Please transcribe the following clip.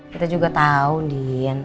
kita juga tau andin